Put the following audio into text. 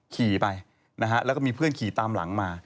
ขี่ไปแล้วมีเพื่อนขี่ตามหลังมา